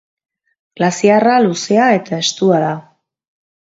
Glaziarra luzea eta estua da.